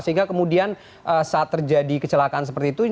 sehingga kemudian saat terjadi kecelakaan seperti itu